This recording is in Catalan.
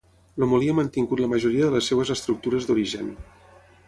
El molí ha mantingut la majoria de les seves estructures d'origen.